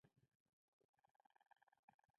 غزنی د اولیاوو ښار دی.